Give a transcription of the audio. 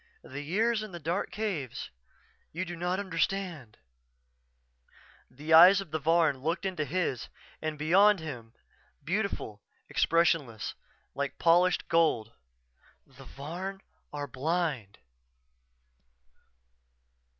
The years in the dark caves you do not understand _" The eyes of the Varn looked into his and beyond him; beautiful, expressionless, like polished gold. "_The Varn are blind.